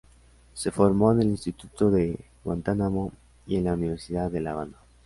Se formó en el Instituto de Guantánamo y en la Universidad de la Habana.